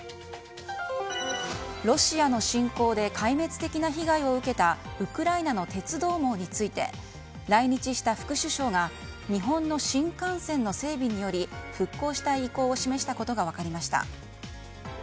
ロシアの侵攻で壊滅的な被害を受けたウクライナの鉄道網について来日した副首相が日本の新幹線の整備により復興したい意向を示したことが分かりました。